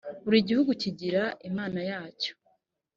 buri gihugu kigira imana yacyo